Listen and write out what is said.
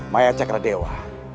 mayat sakar dewa